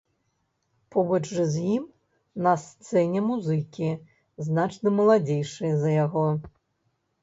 Побач з ім на сцэне музыкі, значна маладзейшыя за яго.